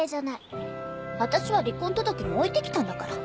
私は離婚届も置いてきたんだから。